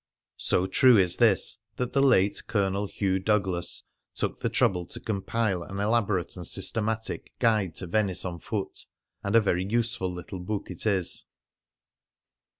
So true is this that the late Colonel Hugh Douglas took the trouble to compile an elaborate and systematic "Guide to Venice on Foot": and a very useful little book it is.